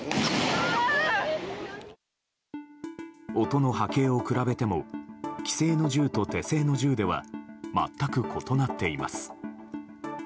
音の波形を比べても既製の銃と手製の銃では全く異なっています。